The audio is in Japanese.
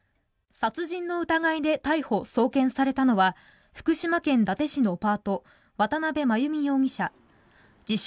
殺人の疑いで逮捕・送検されたのは福島県伊達市のパート渡辺真由美容疑者自称